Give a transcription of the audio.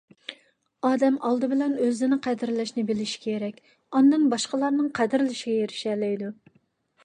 ئادەم ئالدى بىلەن ئۆزىنى قەدىرلەشنى بىلىشى كېرەك، ئاندىن باشقىلارنىڭ قەدىرلىشىگە ئېرىشەلەيدۇ.